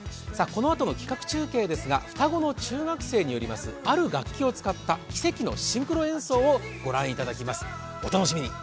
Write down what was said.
このあとの企画中継ですが、双子の中学生によりますある楽器を使った奇跡のシンクロ演奏をお楽しみいただきます。